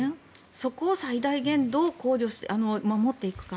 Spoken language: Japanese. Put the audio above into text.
そこを最大限どう守っていくか。